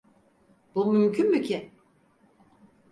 Bu mümkün mü ki?